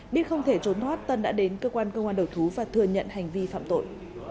biết không thể trốn thoát tân đã đến cơ quan công an đầu thú và thừa nhận hành vi phạm tội